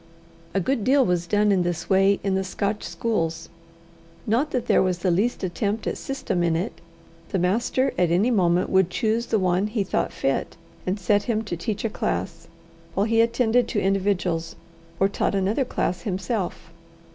A good deal was done in this way in the Scotch schools. Not that there was the least attempt at system in it: the master, at any moment, would choose the one he thought fit, and set him to teach a class, while he attended to individuals, or taught another class himself.